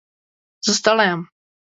زه ستړی یم.